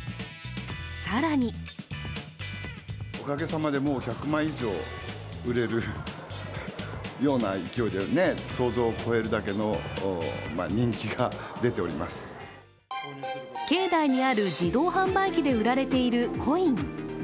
更に境内にある自動販売機で売られているコイン。